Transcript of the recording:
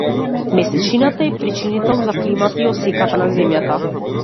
Месечината е причинител за плимата и осеката на Земјата.